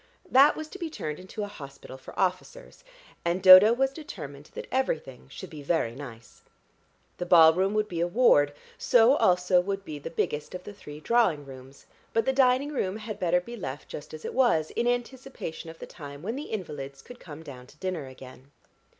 That was to be turned into a hospital for officers, and Dodo was determined that everything should be very nice. The ballroom would be a ward, so also would be the biggest of the three drawing rooms, but the dining room had better be left just as it was, in anticipation of the time when the invalids could come down to dinner again.